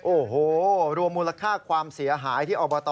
โอ้โหรวมมูลค่าความเสียหายที่อบต